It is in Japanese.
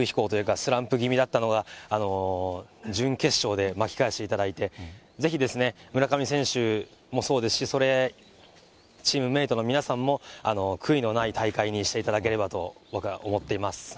すごい今まで低空飛行というか、スランプ気味だったのが、準決勝で巻き返していただいて、ぜひですね、村上選手もそうですし、チームメートの皆さんも、悔いのない大会にしていただければと、僕は思っています。